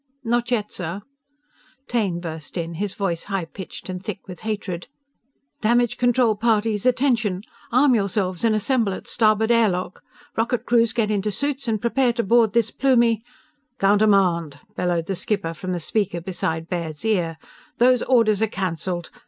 _" "Not yet, sir " Taine burst in, his voice high pitched and thick with hatred: "_Damage control parties attention! Arm yourselves and assemble at starboard air lock! Rocket crews get into suits and prepare to board this Plumie _" "Countermand!" bellowed the skipper from the speaker beside Baird's ear. "_Those orders are canceled!